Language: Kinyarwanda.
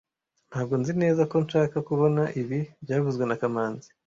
Ntabwo nzi neza ko nshaka kubona ibi byavuzwe na kamanzi